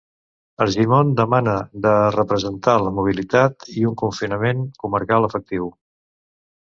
Argimon demana de repensar la mobilitat i un confinament comarcal “efectiu”